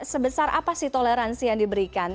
sebesar apa sih toleransi yang diberikan